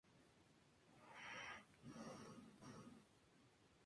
Los mismos derechos se aplicaban a las viudas.